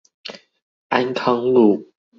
安康路